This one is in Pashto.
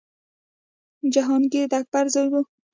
جهانګیر د اکبر زوی و.